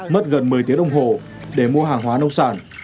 mất gần một mươi tiếng đồng hồ để mua hàng hóa nông sản